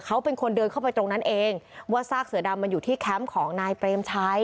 เขาเป็นคนเดินเข้าไปตรงนั้นเองว่าซากเสือดำมันอยู่ที่แคมป์ของนายเปรมชัย